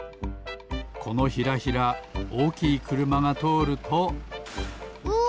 このヒラヒラおおきいくるまがとおるとうわ！